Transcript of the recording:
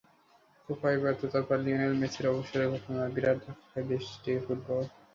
কোপায় ব্যর্থতার পরই লিওনেল মেসির অবসরের ঘটনায় বিরাট ধাক্কা খায় দেশটির ফুটবল।